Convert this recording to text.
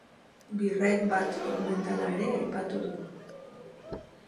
Be right back dokumentala ere aipatu du.